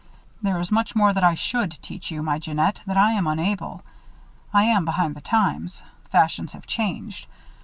"There is much more that I should teach you, my Jeannette, that I am unable. I am behind the times. Fashions have changed.